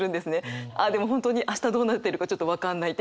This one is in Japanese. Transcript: あっでも本当に明日どうなってるかちょっと分かんないって。